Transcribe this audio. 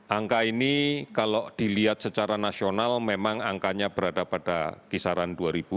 angka ini kalau dilihat secara nasional memang angkanya berada pada kisaran dua